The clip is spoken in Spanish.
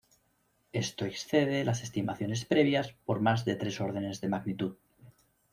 Esto excede las estimaciones previas por más de tres órdenes de magnitud.